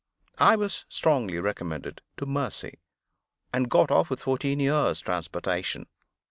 I was strongly recommended to mercy and got off with fourteen years' transportation.